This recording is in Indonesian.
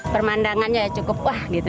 permandangannya cukup wah gitu